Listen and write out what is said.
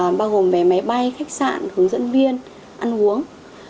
thì bao gồm về máy bay khách sạn hướng dẫn viên ăn uống